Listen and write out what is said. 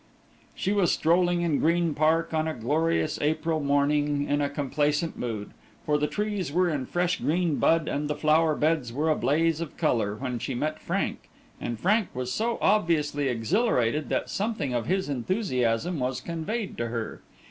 She was strolling in Green Park on a glorious April morning, in a complacent mood, for the trees were in fresh green bud and the flower beds were a blaze of colour, when she met Frank, and Frank was so obviously exhilarated that something of his enthusiasm was conveyed to her.